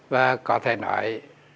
và có thể nói